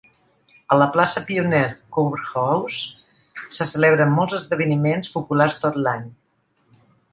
A la plaça Pioneer Courthouse se celebren molts esdeveniments populars tot l'any.